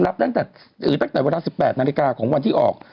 รับตั้งแต่เวลา๑๘นาฬิกาของวันที่ออก